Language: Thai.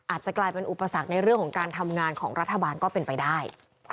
อาจจะกลายเป็นอุปสรรคในเรื่องของการทำงานของรัฐบาลก็เป็นไปได้